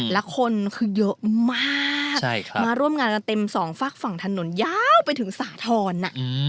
และคนคือเยอะมากมาร่วมงานกันเต็มสองฝากฝั่งถนนยาวไปถึงสาธรณ์